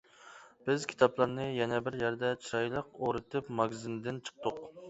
بىز كىتابلارنى يەنە بىر يەردە چىرايلىق ئورىتىپ ماگىزىندىن چىقتۇق.